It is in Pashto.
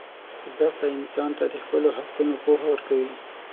زدهکړه انسان ته د خپلو حقونو پوهه ورکوي.